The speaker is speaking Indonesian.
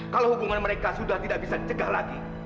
kalau hubungan mereka sudah tidak bisa dicegah lagi